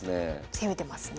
攻めてますね。